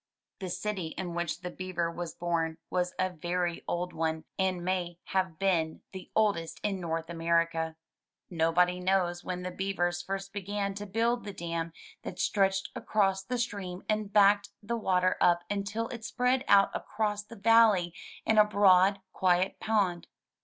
The city in which the Beaver was born was a very old one, and may have been the oldest in North America. Nobody knows when the beavers first began to build the dam that stretched across the stream and backed the water up until it spread out across the valley in a broad, quiet pond.